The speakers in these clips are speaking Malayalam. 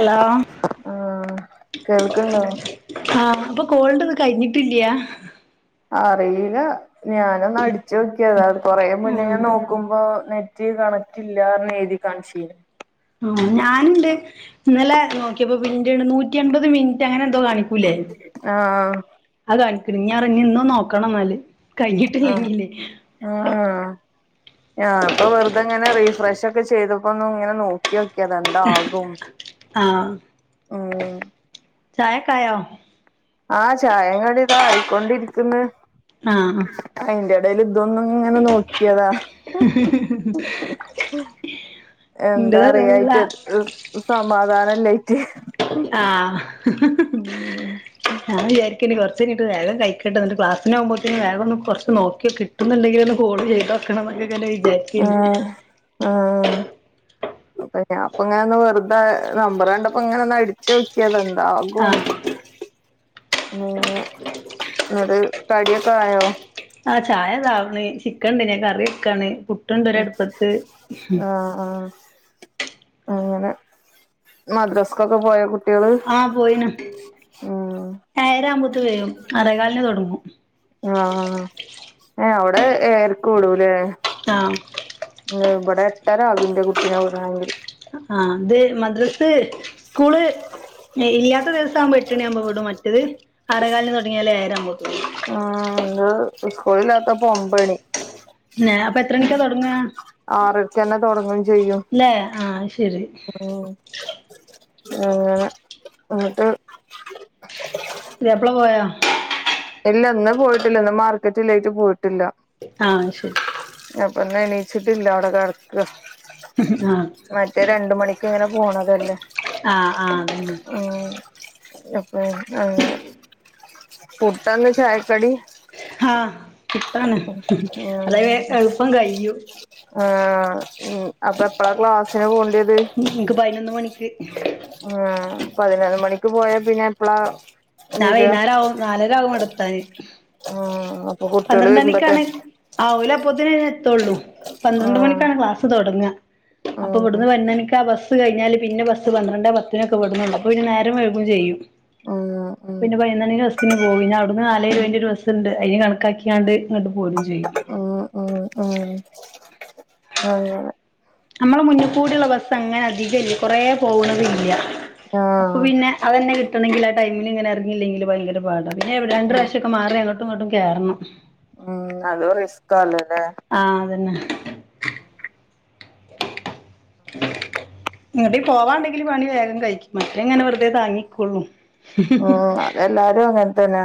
ഹലോ ആഹ് കേൾക്ക്ണ്ടോ ആഹ് അപ്പ കോള്ന്റെത് കഴിഞ്ഞിട്ടില്ല്യാ അറീല ഞാനൊന്ന് അടിച്ചോക്കിയതാ കൊറെ മുന്നേ ഉം ഞാൻ നോ ക്കുമ്പോ നെറ്റ് കണക്ട്ല്ലാന്ന് എഴ്തി കാണ്ച്ചീനു ആഹ് ഞാന്ണ്ട് ഇന്നലെ നോക്കിയപ്പോ പിന്റെണ്ട് നൂറ്റി അമ്പത് മിന് റ്റ് അങ്ങനെന്തോ കാണിക്കൂലേ ആഹ് അത് കാണിക്ക്ണ് ഞാൻ ഇഞ്ഞ്ന്നോന്ന് നോക്കണന്നാല് ആഹ് കഴിഞ്ഞിട്ടില്ലെങ്കില് ആഹ് ഞാൻ ഇപ്പൊ വെറ്തെങ്ങനെ റീഫ്രഷോക്കെ ചെയ്തപ്പോന്ന് ഇങ്ങനെ നോ ക്ക്യോക്കിയതാ എന്താകും ആഹ് ഉം ചായക്കായോ ആഹ് ചായേം കടീം ഇതാ ആയിക്കൊണ്ടിരിക്കുന്ന് ആഹ് അയിന്റെ ഇടയിൽ ഇതൊന്നും ഇങ്ങനെ നോക്കിയതാ എന്താ ഇന്റത് അതേപോലെ അറിയായിറ്റ് സമാധാനല്ലായിറ്റ് ആഹ് ഞാൻ വിചാ [unintelligible] വെറുതെ ങ്ങ്ട്ട് വേഗം കയികട്ടെ ന്ന്ട്ട് ക്ലാസിന ആകുമ്പത്തേന്ന് വേഗം ഒന്ന്കുറച്ച് നോക്കിയോക്കട്ടെ കിട്ടുന്നുണ്ടെങ്കിൽന്ന് കൊള് ചെയ്തോക്കാ ആക്കണമെന്ന്ങ്ങനെ വിചാരിക്കെനി ആഹ് ആഹ് അപ്പൊ ഞാൻപ്പ ഇങ്ങന ഒന്ന് വെറുത നമ്പറ കണ്ടപ്പ ഇങ്ങന ച്ചു നോക്കിയതാ എന്താകും ഉം ആഹ് ന്നട്ട് കടിയൊക്ക ആയോ ആ ചായ ഇതാആവണ് ചിക്കൻണ്ടേനി കറി വെക്കാണ് കു ആഹ് ആഹ് അങ്ങനെ മദ്രാസക്കൊക്കെ പോയാ കു- ആഹ പോയിണ് ഉം ഏയര ആവുമ്പോത്തന് വരും ആറെ കാലന് തുടങ്ങും ആഹ് ആഹ് എ അവിടെ ഏയരക്ക് വിടുലെ ആഹ് ഇവിടെ എട്ടാര ആവും ന്റെ കുട്ടിനെ വിടണെങ്കിൽ ആഹ് അത് മദ്രസ് സ്കൂള് ഇല്ലാത്ത ദിവസ ആവുമ്പ എട്ടെണിആവുമ്പോ വിടും മറ്റത് ആറെകാലിന് തുടങ്ങിയാല്ല് ഏയരകുമ്പോത്തിനും ആഹ് ങ്ങള് സ്കൂളിലാത്തപ്പോ ഒമ്പണി അപ്പൊ എത്ര മണിക്കാ തുടങ്ങ ആറരക്കെ തന്നെ തുടങ്ങും ചെയ്യും ല്ലേ ആഹ് ശരി ഉം അങ്ങനെ എന്നിട്ട് പുതിയപ്പളാ പോയോ ഇല്ല ഇന്ന് പോയിട്ടില്ല ഇന്ന് മാർക്കറ്റ് ഇില്ലായിട്ട് പോയിട്ടില്ല ആഹ് ശരി അപ്പൊന്നെ എണീച്ചിട്ടില്ല അവിടെ കിടക്ക ആഹ് മറ്റേ രണ്ട് മണിക്ക് ഇങ്ങനെ പോണതല്ലേ ആഹ് ആഹ് അതെന്നെ എപ്പഴും അങ്ങനെ പുട്ടാന്ന് ചായക്കടി ആഹ് പുട്ടാണ് ഉം അതായാ എളുപ്പം കയ്യും ആഹ് ഉം അപ്പൊ എപ്പഴാ ക്ലാസിന് പോകേണ്ടിയത് ന്ക്ക് പതിനൊന്ന് മണിക്ക് ഹേ പതിനൊന്ന് മണിക്ക് പോയാ പിന്നെ എപ്പളാ ഞാൻ വരാ വൈകുന്നേരവും നാലര ആകും ഇവിടെത്താന് ആഹ് പന്ത്രണ്ടണിക്കാണ് ആഹ ഓല് അപ്പത്തിനേ എത്തോള്ളൂ പന്ത്രണ്ട് ആഹ് മണിക്കാണ് ക്ലാസ് തുടങ്ങ അപ്പൊ ഉം ഇവിടുന്ന് പതിനൊന്ന് മണിക്കാബസ്സ്‌ കിഞ്ഞാല് പിന്നെ ബസ് പന്ത്രണ്ട പത്തിനൊക്കെഇവിടുന്നൊള്ളു അപ്പോ പിന്നെ നേരം വെയ്കും ചെയ്യും ഉം ഉം പിന്നെ പതിനൊന്നണിന്റെ ബസ്സിന് പോകും പിന്നെ അവിടുന്ന് നാലെഇരുവെന്റെ ഒരു ബസ് ഉണ്ട് അതിന് കണ ക്കാക്കിയാണ്ട് ഇങ്ങോട്ട് പോരും ചെയ്യും ഉം ഉം ഉം അങ്ങനെ നമ്മളെ മുന്നിൽ കൂടെയുള്ള ബസ് അങ്ങനെ അധികല്ലേ കൊറെ പോകണതില്ല അപ്പൊ ആഹ് പിന്നെ അതന്നെ കിട്ടണമെങ്കിൽ ആ ടൈമിൽ ഇങ്ങനെ ഇങ്ങില്ലെങ്കിൽ ഭയങ്കര പാടാണ്പിന്നെ [unintelligible] ഒക്കെ മാറി ഇങ്ങോട്ടും ഇങ്ങോട്ടും കേറണം ഉം അതും റിസ്ക്കാണ്ല്ലേ ആഹ അതന്നെ ഉം ഇങ്ങോട്ടേലും പോവാണ്ടെങ്കില് പണി വേഗം കഴിക്കും മറ്റത് ഇങ്ങനെ വെറുതെ താങ്ങിക്കൊള്ളൂ ഉം അതെല്ലാരും അങ്ങനെ തന്നെ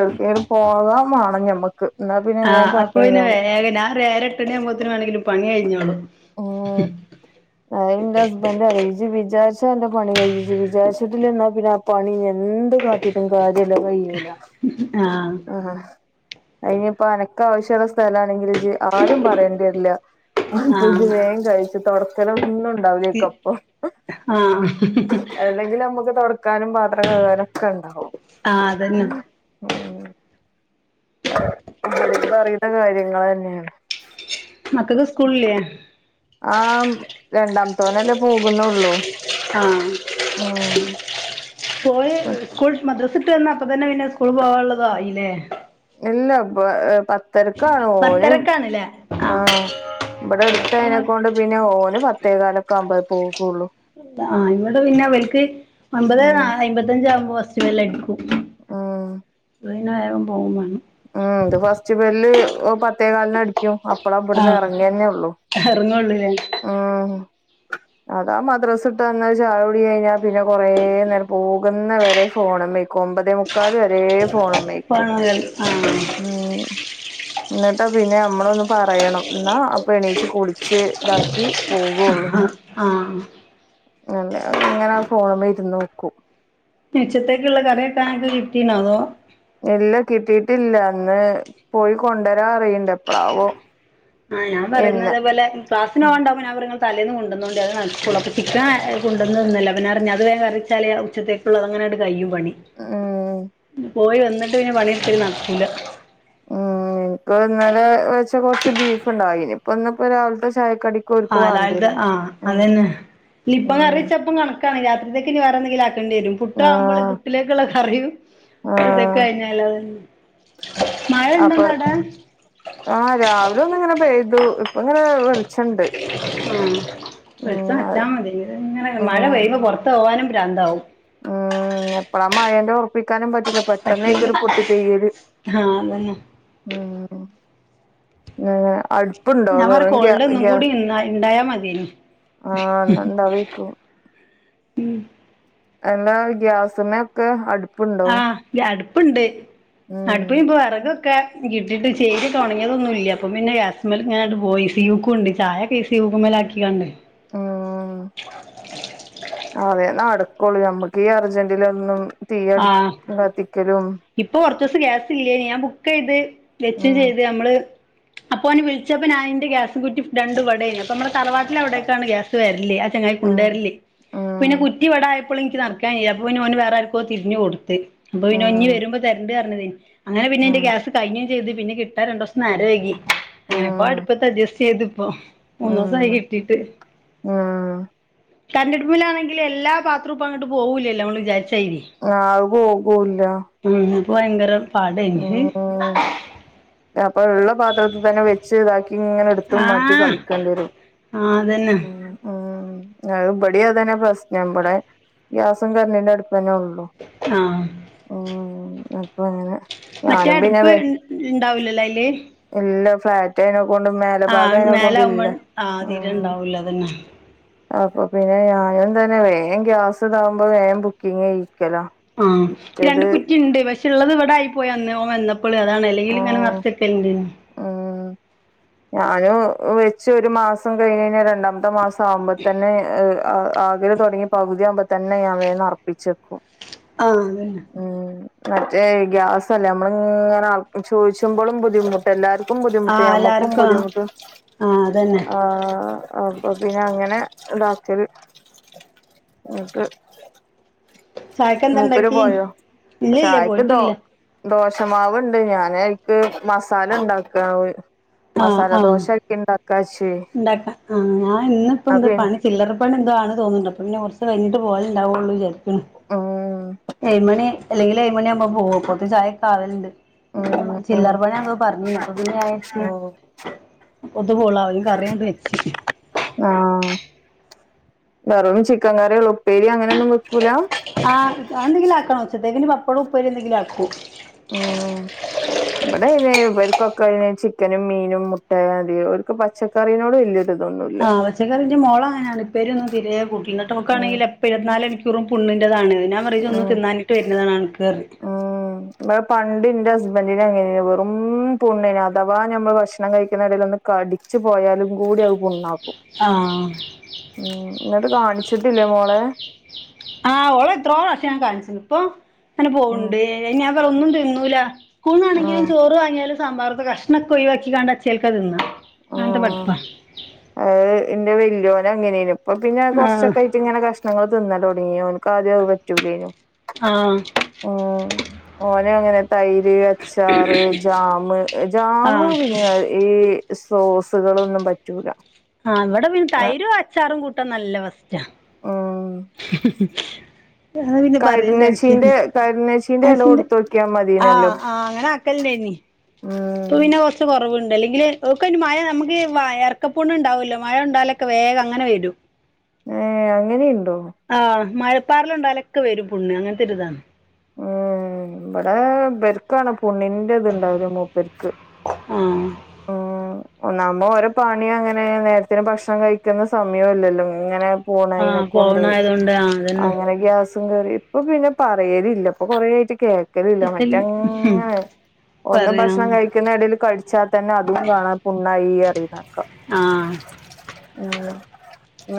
എവിടക്കെങ്കിലും പോകാനാണ് ഞമ്മക്ക് എന്നാ പിന്നെ ആ വേം പണി അപ്പൊ ഇന്ന കഴിഞ്ഞോളും ഒരേഴ് ഞാൻ ഒരേഴര എട്ടുമണിയാമ്പഴ്ത്തേന് വേണങ്കിലും പണികഴിഞ്ഞോളും ഉം അയിന്റെ ഹസ്ബൻഡ് ഇജ്ജ് വിചാരിശ് പ്പം എന്റെ പണി കഴിഞ്ഞ് വിചാരിച്ചട്ടില്ലന്നാ പിന്നെ ആ പണി എന്ത് കാട്ടിട്ടും കാര്യമില്ല കഴിയൂല ആ ആ അയിനിയിപ്പോ അനക്ക ആവശ്യമുള്ള സ്ഥല ആണെങ്കിൽ ആരും പറയേണ്ടിരില്ല ആ ഫുഡ് ആഹ് വേഗം കഴിച്ച് തൊടക്കലൊന്നും ഉണ്ടാവില്ലക്കപ്പൊ ആഹ് ഹ്ഹ് അല്ലെങ്കിൽ നമുക്ക് തൊടക്കാനും പാത്രം കഴുകാനും ഒക്കെ ഉണ്ടാവും ആഹ് അതന്നെ പറിയുന്ന കാര്യങ്ങൾ തന്നെയാണ് മക്കൾക്ക് സ്കൂളില്ലേ? ആഹ് രണ്ടാമത്തവനല്ലേ പോകുന്നുള്ളു ആഹ് ഉം പോയി സ്കൂൾ മദ്രസ് വിട്ട് വന്ന അപ്പ തന്നെ പിന്നെ സ്കൂളിൽ പോവാനുള്ളതായില്ലേ ഇല്ല പ പത്ത് തിരക്കാണ് ഓനും പത്തരക്കാണ്ല്ലേ ആ ആഹ് ഇവിടെ അടുത്തൈനെ കൊണ്ട് പിന്നെ ഓന് പത്തേകാലൊക്കെ ആവുമ്പഴേ പോകുള്ളൂ ആ അന്നേരം പിന്നെ അവൽക്ക് ഉം ഒമ്പതേക്കാല് എണ്പത്തഞ്ചാവുമ്പോ ഇതെല്ലാം എനിക്ക് ആഹ് പിന്നെ വേകം പോകും വേണം ഉം ഇത് ഫസ്റ്റ് ബെല്ല് പത്തേകാലിനടിക്കും. അപ്പള ഇവിടുന്ന് ഇറങ്ങിയതന്നെ ഉള്ളു ഇറങ്ങുള്ളൂ അല്ലേ ആ അതാ മദ്രസിവിട്ടു വന്ന് ചായകുടി കഴിഞ്ഞാൽ പിന്നെ കൊറേ നേരം പോകുന്ന വരെ ഫോണുമേ ഒമ്പതേമുക്കാല് വരേം ഫോണുമേൽ നിക്കും പണകൾ ആഹ് ഉം എന്നിട്ടാ പിന്നെ നമ്മളൊന്ന് പറയണം എന്നാ അപ്പൊ എണീച്ച് കുളിച്ച് ഇതാക്കി പോകുള്ളൂ ആഹ് ആഹ് ങ്ങനെ അങ്ങനെ ഫോണുമേൽ ഇരുന്ന് നോക്കും ഉച്ചത്തേക്കുള്ള കറിയൊക്കെ ആയികിട്ടി അതോ ഇല്ല കിട്ടിയിട്ടില്ല അന്ന് പോയി കൊണ്ടുവരാൻ പറയണ്ട് എപ്പഴാവോ ആ ഞാൻ പറയുന്നതുപോലെ ക്ലാസ്സിന് പോകണ്ടാപ്പം ഞാൻ പറഞ്ഞു തലേന്ന് കൊണ്ടുവന്നോണ്ട് ചിക്കനാ കൊണ്ടവന്നല്ലാ പിന്നെ അത് വേഗം കറിവെച്ചാല് ഉച്ചത്തേക്കുള്ളത് അങ്ങനങ്ങാട്ട് കയ്യും പണി. ഉം പോയി വന്നിട്ട് പിന്നെ പണിയെടുപ്പ് നടക്കൂല്ല. ഉം എനിക്ക് ഇന്നലെ വെച്ച കൊറച്ച് ബീഫ് ഉണ്ടായിനു ഇനിയിപ്പൊ രാവിലെ ചായക്കു കടി ആഹ് രാവിലത്തെ ആ അതന്നെ ഇപ്പം ഉം കറിവച്ചപ്പം കണക്കാണ് രാത്രിത്തേക്ക് ഇനി വറെന്തെങ്കിലും ആക്കേണ്ടി വരും പുട്ട് ആവുമ്പോളെ ആഹ് പുട്ടിലേക്കുള്ള കറിയും ഇതൊക്കെ ആഹ് കഴിഞ്ഞാല് അതെ അപ്പൊ ആ രാവിലെ ഒന്ന് ഇങ്ങനെ പെയ്തു ഇപ്പ ഇങ്ങനെ വെളുത് ആ ഉം വെളിച്ചം വച്ചാൽ മതി ഇങ്ങനെ മഴ ഉം പെയ്യുമ്പോ പൊറത്ത് പോവാനും പ്രാന്താവും ഉം എപ്പളാ മഴന്റെ ഉറപ്പിക്കാനും പറ്റില്ല പെട്ടെന്നായിക്കും പറ്റൂല ഒരു പൊട്ടിപ്പെയ്യല് ആഹ് അതന്നെ ഉം അ അട് പ്പുണ്ടോ ഞാൻ പറ വിറക് ഗ്യാ കോൾഡ് ഒന്നും കൂടി ഗ്യാസ് ഇന്ന ഇണ്ടായാ മതിയേനി ആ ണ്ട് അതി വെക്കും ഉം എല്ലാ ഗ്യാസ്മക്കാ അട് ആഹ് ഗ്യാ അട്‌പ്പ്ണ്ട്. ഉം അട്പ്പ്പ്പൊ വെറകൊക്കെ കിട്ടിട്ട് ചേരിയൊക്കെ ഒണങ്ങിയതൊന്നുല്ല്യ. അപ്പം പിന്നെ ഗ്യാസുമ്മല് ങ്ങനെണ്ട് പോയി. സീയൂക്ക് ഉണ്ട്. ചായൊക്കെ ഈസി സീയൂക്കുമ്മേലാക്കിങ്ങാണ്ടെ ആഹ് അതെ നടക്കൊള്ളൂ. ഞമ്മക്ക് ഈ അറ്ജന്റിലൊന്നും തീ അട് ആഹ് കത്തിക്കലും ഇപ്പൊ കൊർച്ചൂസം ഗ്യാസില്ല്യേനി. ഞാൻ ബുക്കെയ്ത് വെച്ചും ഉം ചെയ്ത്. അമ്മള് അപ്പോന് വിൾച്ചപ്പോഞാന് ന്റെഗ്യാസ് കുറ്റിരണ്ടുംവിടേയ്നു അപ്പൊമ്മളെ തറവാട്ടിലവിടേക്കാണ്ഗ്യാസ് വര്ല്ല് ചെങ്ങായി ഉം കുണ്ടേര്ല്. ഉം പിന്നെകുറ്റിവടായ ഇപ്പളും ഇൻക്ക് നട്ക്കാൻയ്യാ. അപ്പൊ പിന്നെ ഓന് വേറെ ആര്ക്കോ തിരിഞ്ഞ്കൊട്ത്ത്. അപ്പൊ പിന്നെ ഞ്ഞി ഉം വെര്മ്പൊ തരണ്ട് അർഞ്ഞതേനി. അങ്ങനെ പിന്നെന്റെ ഉം ഗ്യാസ്കഴിഞ്ഞും ചെയ്ത്. പിന്നെകിട്ടാൻ രണ്ടൂസം നേരം വൈകി എങ്ങനെക്കോ ഉം അട്പ്പത്ത് അഡ്ഡ്ജസ്റ്റ് ചെയ്ത്പ്പൊ മൂന്നൂസായി ഉം കിട്ടീട്ട് ഉം കര്ന്റെട്പ്പ് മലാണെങ്കില് എല്ലാ പാത്രും പ്പങ്ങട്ട് പോകൂല്ലല്ലോ അമ്മള് വിചാരിച്ചായ്രി ആഹ്. അഅ്പോകൂല്ല. ഉം. ഇപ്പൊ ഭയങ്കര പാടേനി. ഹ് ഉം അപ്പൊ ള്ള പാത്രത്ത് തന്നെ വെച്ച് ഇതാക്കി ഇങ്ങനെ ട്ത്തും ആ മാറ്റിംകളിക്കേണ്ടിരും. ആഹ് അതന്നെ ഉം ഉം. അഅ് ഇപടിം അതന്നെ പ്രശ്നം. ഇപടെ ഗ്യാസും കര്ണ്ടിന്റെ അട്‌പ്പന്നെള്ളൂ. ആഹ് ഓഹ് ഒഹ് അപ്പങ്ങനെ മറ്റേ അട്പ്പ് ൺ ൺ ഇണ്ടാവുലല്ലെ അയില് ഇല്ല ഫ്ലാറ്റ് അയിനെക്കൊണ്ട് മേലഭാഗം ആഹ് മേലാവുമ്പോ അയിനകൊണ്ടില്ല ആഹ് തീരെണ്ടാവൂല അതന്നെ അപ്പൊ പിന്നെ ഞാന് തന്നെ വേഗം ഗ്യാസ് ഇതാവുമ്പൊ വേയം ബുക്കിങേയ്യിക്കലാ ആഹ്. രണ്ട്കുറ്റിണ്ട് പഷെ ള്ളത് ഇവടെ ആയി പ്പോയി അന്ന് ഓവന്ന പ്പള്. അതാണ് അല്ലെങ്കിലും ഞാന് ആഹ് നർച്ചെക്കേണ്ടേനു ഉം. ഞാനും വെച്ച് ഒരു മാസം കഴിഞ്ഞഴിഞ്ഞാ രണ്ടാമത്തെ മാസം ആവ്മ്പ തന്നെ ഹ് ആ ആക് ല് തൊട്ങ്ങി പകുതി ആവ്മ്പൊതന്നെ ഞാൻ വേം നർപ്പിച്ചെക്കും. ആഹ് അതെന്നെ ഉം. മറ്റേയ് ഗ്യാസല്ലെ. അമ്മള്ങ്ങനെ ആൾക്ക് ചോയ്ച്ചു മ്പൊളുംബുദ്ധിമുട് എല്ലാര്ക്കും ബുദ്ധിമുട്ട് ആഹ് എല്ലാർക്കും യമ്മക്കുംബുദ്ധിമുട്ട്. ആഹ് അതന്നെ ആഹ് അപ്പൊപിന്നെ അങ്ങനെ ഇതാക്കല്. ന്ന്ട്ട് ചായക്ക് എന്താ ഉണ്ടാക്കി മൂപ്പര്പോയോ? ഇല്ലില്ല ചായക്ക് ദോ പോയിട്ടില്ല ദോഷമാവ്ണ്ട്. ഞാന് ക്ക് മസാലണ്ടാക്കാ ഓ മസാലദോശാക്കിണ്ടാക്കാച്ചേ ണ്ടാക്കാ ആഹ്. ഞാൻ ന്ന് പ്പന്ത് പണി ഫില്ലറപണി എന്തോ ആണ് തോന്ന്ണ്ട്. അപ്പൊ പിന്നെ കൊർച്ച് കഴിഞ്ഞിട്ട് പോവല് ണ്ടാവുള്ളൂ വിചാരിക്ക്ണ്. ആഹ് ഏയ്മണി അല്ലെങ്കില് ഏഴ്മണിയാ മ്പൊ പൊവും. പ്പോത്തിന് ചായക്കാവല്ണ്ട്. ഉം [unintelligible] ഉം ചില്ലറ പണിയാണെന്ന് പറഞ്ഞീനി. അപ്പൊപിന്നെ ഞ്ഞായേര്ച്ചി ഓഹ് പെതു പോള കറിയാണ്ട് വേച്ച് ആഹ്. വെറും ചിക്കക്കറിയൊള്ളൂ. ഉപ്പേരി അങ്ങനെന്നും വെക്കൂലാ? ആഹ് അ അന്തെങ്കിലാക്കണം. ഉച്ചത്തേക്കിനി പപ്പടും, ഉപ്പേരി എന്തെങ്കിലും ആക്കും. ആഹ് ഇപടെ ഏ വെൽക്കൊക്കെ യിന് ചിക്കനും, മീനും, മുട്ടാ തി. ഓൽക്ക് പച്ചക്കറിനോട് വെല്യെ ആഹ്. പച്ചക്കറിൻ്റിം മോളങ്ങനാണ് പ്പേരിന്നും തീരെകൂട് ഇന്നട്ട് ഉം നോക്കാണെങ്കിൽ എപ്പയും ഇരുത്തിനാല് മണിക്കൂറും പുണ്ണിന്റെത് ആണ് ഞാൻ പറയും ഇജ് ഒന്ന് തിനാഞിട്ട് വരുന്നതാണ് അൻക്ക് പറയും ആഹ് വടെ പണ്ട് ന്റെ ഹസ്ബന്റിനെ ങ്ങനെയെ വെറും പുണ്ണൈയ്ന്. അതവാ ഞമ്മള് ഭക്ഷണംകഴിക്കുന്ന എടേലൊന്ന് കടിച്ച് പോയാലും കൂടി അഅ് പുണ്ണാക്കും. ആഹ് ഉം. ന്നട്ട് കാണിച്ചിട്ടില്ലേ മോളെ? ആഹ് ഓളെ ത്രോറാഷ്യം ഞാ കാണിച്ച്ണ്. പ്പൊ ഉം ങ്ങനെപോവ്ണ്ട്. ഞാപറ ഒന്നുംതിന്നൂല. സ്കൂൾന്നാണെങ്കിലും ആഹ് ചോറ് വാങ്ങിയാലും സാമ്പാറ്ത്തെ കഷ്ണൊക്കെ ഒഴിവാക്കികാണ്ട് അച്ചേൽക്കാതിന്ന അങ്ങൻത്ത പഠിപ്പാ അഹ് ഇന്റെ വെല്യോന് അങ്ങനേന്നു ഇപ്പ പിന്നെ അഹ് ആഹ് കൊറച്ചൊക്കാ ച്ച്ങ്ങനെ കഷ്ണങ്ങള് തിന്നലൊടങ്ങി ഓൻക്ക് ആദ്യം അഹ് പറ്റൂലേനു ആഹ് ഉം ഓനുങ്ങനെ തൈര്, അച്ചാറ്, ജാമ് ജാമ് ആഹ് പിന്നിം കൊ ഈ സോസ്കളൊന്നും പറ്റൂല ആഹ് ഇവടെ പിന്നെ തൈരും, അച്ചാറും കൂട്ടാൻ നല്ല ഫസ്റ്റാ ഉം അഹ് പിന്നെ കരിനച്ചീന്റെ പറയെണ്ടാവിശ്യല്ല്യ കരിനച്ചീന്റെ എല അഷിന്റെ കൊടുത്തോക്കിയാ മതിനല്ലോ ആഹ് ആഹ് അങ്ങനെ ക്കൽണ്ടേനി ഉം ഇപ്പപിന്നെ കൊർച്ച് കൊറവ്ണ്ട് അല്ലെങ്കില് ഓക്ക്യ്ന് മഴ നമക്ക് വയർക പുണ്ണ്ണ്ടാവല്ലോ? മഴണ്ടാലൊക്കെ വേഗം അങ്ങനെ വെരും ഏഹേ അങ്ങനീണ്ടോ? ആഹ് മഴപ്പാറല് കൊണ്ടാലൊക്കെ വെരും പുണ്ണ് അങ്ങൻത്തൊരിതാ മ് ഇബടെ ഇബൽ ക്കാണ് പുണ്ണിന്റെത്ണ്ടാവല് മൂപ്പര്ക്ക് ആഹ് ഉം ഒന്നാമ്മെ ഓരോ പണിയങ്ങനെണ് നേരത്തിന് ഭക്ഷണം കഴിക്കുന്ന സമയു അല്ലല്ലോ? ഇങ്ങനെ ആഹ് പോണൈനെക്കൊണ്ട് പോവണായതുകൊണ്ട് ആഹ് അതന്നെ അങ്ങനെ ഗ്യസ് കേറി ഇപ്പ പിന്നെ പറയലില്ല ഇപ്പൊ കൊറേയായിട്ട് കേക്ക ലില്ല ചിക്കല് മറ്റങ്ങനെ ഒന്ന് പറയാ ഭക്ഷണം കഴി ക്ക്ണെടീല് കടിച്ചാ തന്നെ അതും കാണാ പുണ്ണായി അറിയ്ണേക്കാ ആഹ് ഉം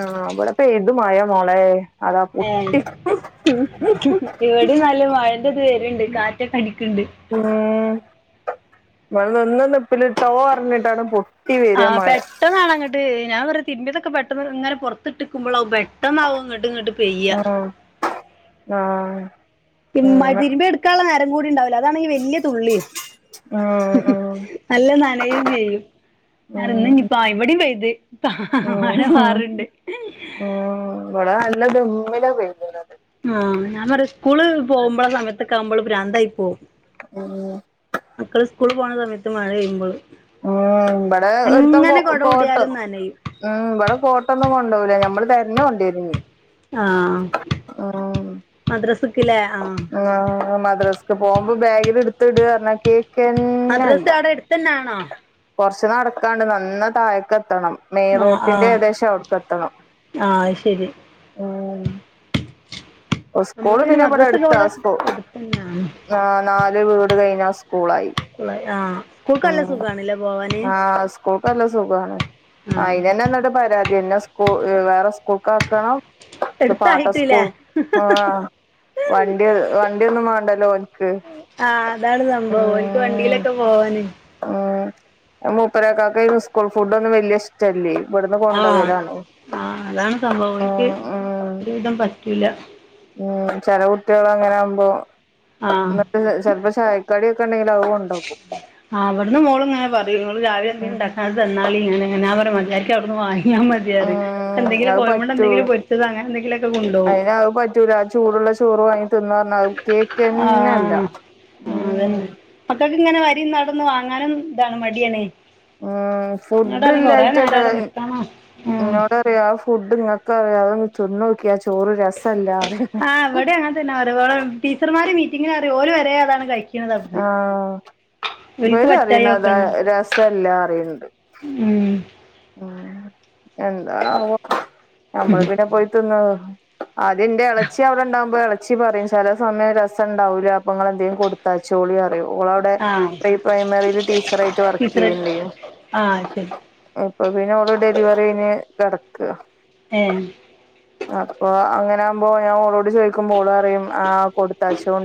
ആഹ് ഇവിടെപ്പെയ്തു മഴ മോളെ അതാ ഏഹ് പൊട്ടി ഇവടിന്നാല് മഴൻ്റത് വര്ണ്ട് കാറ്റൊക്കെ അടിക്ക്ണ്ട് ഇമ്മേ ന്നാ നിന്നനിപ്പ്ല് ട്ടോ അറ്ഞ്ഞ്ട്ടാണ്ട് പൊ ആ പെട്ടെന്നാണങ്ങട്ട് ഞാൻ പറയാ തിരുമ്പിയതൊക്കെ പെട്ടെന്ന് ഇങ്ങനെ പൊർത്ത്ട്ടിക്ക്മ്പളാവും പെട്ട ന്നാവും ഇങ്ങട്ട് ഇങ്ങട്ട് പെയ്യ ഉം ആഹ് അങ്ങനെ തിരുമ്പിയെ ഇട്ക്കാള്ള നേരം കൂടി ഇണ്ടാവൂല അതാണെങ്കി വല്യ തുള്ളിം ഉം ഉം നല്ല നനയും ചെയ്യും ഉം ഞാനിന്ന്ഞ്ഞ്പ്പോ ആഹ് ഇവടിം പെയ്ത് ഉം മഴ ഉം പാറ്ണ്ട് ഇവടെ നല്ല ദെമ്മിലാ പെയ്യ്ണത് ആഹ് ഞാൻ പറിയാ സ്കൂള് പോകുമ്പള്ള സമയത്തൊക്കെ അമ്മ്മ്പള് ഭ്രാന്തായി പോവും ഉം മക്കള് സ്കൂള് പോണ സമയത്ത് മഴെയ്യുമ്പള് ആഹ് ഇബടെ ഒരുത്തം കോ കോട്ട് കൂടിയാലും നനയും മ് ഇബടെ കോട്ടൊന്നും കൊണ്ടോവൂല ഞമ്മള് തെരഞ്ഞോണ്ട്യരും ഇഞ്ഞി ആഹ് ഓരോന്ന് മദ്രസ്ക്ക്ലേ ആഹ് ആഹ് മദ്രസ്ക്ക് പോവുമ്പം ബാഗില് ഇട്ത്ത്ട്ർഞ്ഞാ കേക്കു കെന്നെല്ല്യ മദ്രസ് അവടെ എട്ത്തന്നെണോ? കൊർച്ച് നടക്കാണ്ട് നന്ന താഴെക്കെത്തണം മെയ് ആ ആ റോട്ടിന്റെ ഏകദേശം അവിട്ക്കെത്തണം ആ ശരി ഉം നമ്മൾ സ്കൂള് പിന്നെ മദ്രസൊക്കെ ഇബടട്ത്ത ഇവിടെ സ്കൂ എടുത്തന്നെയാണ് ആഹ് നാല് വീട് കഴിഞ്ഞാ സ്കൂളായി ആഹ് ഉം ആഹ് സ്കൂൾക്കല്ല സുഖാണ് ആ അയ്നെന്നന്നെട്ട് പരാതിയാ ഇന്നെ വേറെ സ്കൂക്കാക്കണം ഇത് പാട്ട എടുത്തായിട്ടില്ലേ സ്കൂൾ ആഹ് വണ്ടി വണ്ടിയൊന്നും വേണ്ടല്ലോ എന്ക്ക്. ആ അതാണ് ഓൽക്ക് വണ്ടിയിലൊക്കെ പോവാന്. ആ മുപ്പരകാക്ക ഈ സ്കൂൾ ഫുഡ ഒന്നും വല്യ ഇഷ്ട ചെല്ലി ഇവിടുന്ന് കൊണ്ടകലാണ്. ആഹ അതാണ് സംഭവം. ഓൽക്ക് ഉം ഉം ഒരുവിധം പറ്റൂല. ഉം ചെല കുട്ടികൾ അങ്ങനെ ആകുമ്പോ, ആ ചെലപ്പോ [unintelligible] കടിയൊക്കെണ്ടങ്കില് അവള്‌ കൊണ്ടോക്കും. അവിടുന്ന് മോളുംങ്ങനെ പറയും, ഇങ്ങള് രാവലെ എന്തലും ഉണ്ടാക്ക അത് തന്നാളി, ഇങ്ങനെങ്ങനാ പറയും. മര്യാക അവിടുന്ന് വാങ്ങ്യ മതി. [unintelligible] ഉം എന്തെങ്കിലും അത് കോയമ്പോണ്ടാ പറ്റൂല എന്തെങ്കിലും പൊരിച്ചത് അങ്ങെനെന്തെങ്കിലും ക് കൊണ്ടോവും. അയിന് [unintelligible] ചൂടുള്ള ചോറ് വാങ്ങി തിന്ന പറഞ്ഞ അത് ആഹ് കേക്കന്നല്ല. ആഹ് ഉം. അതന്നെ മക്കൾക്ക് ഇങ്ങനെ വരി നടന്ന് വാങ്ങാനും, ഇതാണ് മടിയാണേ. ഉം ഫുഡ് ന്നൊടറെ കൊറെ നേര ഇല്ലായിട്ടല്ല അവിടെ നിക്കണം. ഉം. എന്നോട് ആ ഫുഡ് ങ്ങക്കറിയാം അതൊന്നന്ന് തിന്ന നോക്ക്യ ആ ചോറ് രസമല്ല. ആ ഇവ്ടെ അങ്ങനെ തന്നെ പറ. ടീച്ചർമാര് മീറ്റിങ്ങിനും പറിയോ ഒരുര് വരെ അതാണ് കഴിക്ക. ആഹ ഓൽക്ക് ഇവര പറ്റായി അറിയുന്ന ഒക്കെ താ ഉണ്ടാവും രസ എല്ലാം അറിയണ്ട്. ഉം ഉം എന്താണ് ആവോ ഞമ്മള് പിന്നെ പോയി തിന്നത്. അത് ന്റെ ഇളച്ചി അവിടെണ്ടാവുമ്പോ ഇള ളച്ചി പറയും, ചില സമയം രസംണ്ടാവൂലാ. പ ങ്ങള് എന്തങ്കിലും കൊടുത്താ യചോളി. ഓളവിടെ ആഹ് പ്രീ പ്രൈമറീല് ടീച്ചറായിട്ട് വർക്കെയ്യ്ണ്ട്‌. ആഹ ശരി. ഇപ്പൊ പിന്നെ അവള് ഡെലിവറിന് കഴിഞ്ഞ് കിടക്കാ. ഏഹ്. അപ്പൊ അങ്ങനൊവുമ്പോ ഞാൻ ഓളോട് ചോദിക്കുമ്പോ ഓള് പറയും, ആ കൊടുത്താച്ചോണ്ട്.